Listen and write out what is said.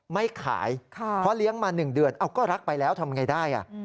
ไม่ขายเพราะเลี้ยงมา๑เดือนก็รักไปแล้วทำไงได้